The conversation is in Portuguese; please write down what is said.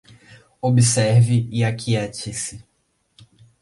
Observe e aquiete-se